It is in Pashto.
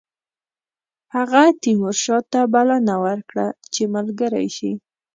هغه تیمورشاه ته بلنه ورکړه چې ملګری شي.